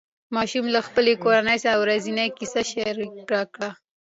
ماشوم له خپلې کورنۍ سره د ورځې کیسه شریکه کړه